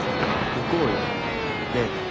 行こうよデート。